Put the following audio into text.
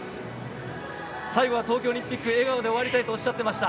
最後は東京オリンピック笑顔で終わりたいとおっしゃっていました。